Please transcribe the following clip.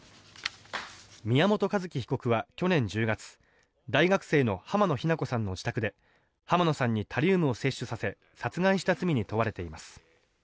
宮本一希被告は去年１０月大学生の浜野日菜子さんの自宅で浜野さんにタリウムを摂取させ殺害した罪に問われています。